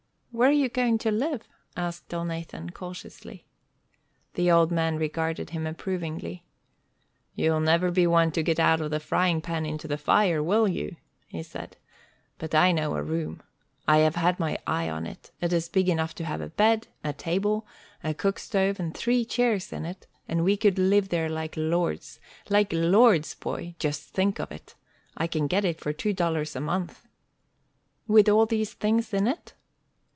"Where are you going to live?" asked Elnathan, cautiously. The old man regarded him approvingly. "You'll never be one to get out of the frying pan into the fire, will you?" he said. "But I know a room. I have had my eye on it. It is big enough to have a bed, a table, a cook stove, and three chairs in it, and we could live there like lords. Like lords, boy! Just think of it! I can get it for two dollars a month." "With all these things in it?"